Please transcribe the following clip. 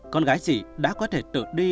con gái chị đã có thể tự đi